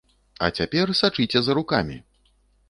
А цяпер сачыце за рукамі.